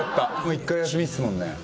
１回休みですもんね。